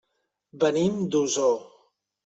Venim d'Osor.